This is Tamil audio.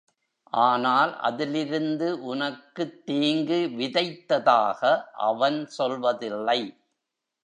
ஆனால் அதிலிருந்து உனக்குத் தீங்கு விதைத்ததாக அவன் சொல்வதில்லை.